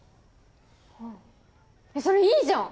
あっそれいいじゃん！